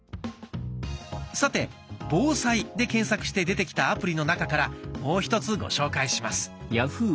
さて「防災」で検索して出てきたアプリの中からもう１つご紹介します。